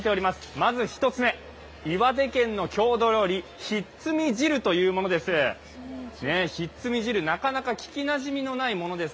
まず１つ目、岩手県の郷土料理、ひっつみ汁というものです。